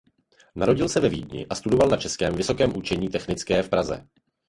Narodil se ve Vídni a studoval na Českém vysokém učení technické v Praze.